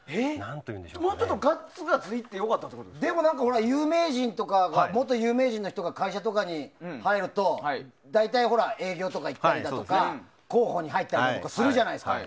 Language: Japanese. もうちょっとガツガツいってもでも元有名人の人とかが会社とかに入ると、大体営業とかいったりだとか広報に入ったりするじゃないですか。